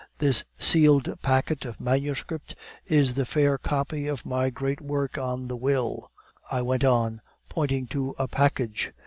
This sealed packet of manuscript is the fair copy of my great work on "The Will,"' I went on, pointing to a package.